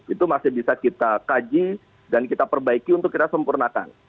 itu masih bisa kita kaji dan kita perbaiki untuk kita sempurnakan